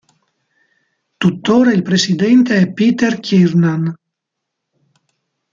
Tuttora il presidente è Peter Kiernan.